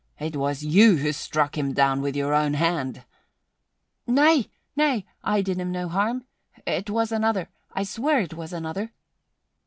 It was you who struck him down with your own hand!" "Nay, nay! I did him no harm! It was another I swear it was another!"